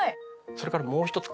それからもう一つ